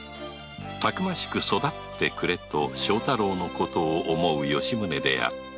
たくましく育ってくれと庄太郎のことを思う吉宗であった